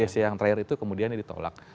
jc yang terakhir itu kemudian ditolak